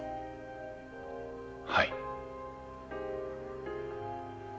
はい。